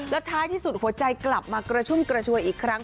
และท้ายที่สุดหัวใจกลับมากระชุ่มกระชวยอีกครั้ง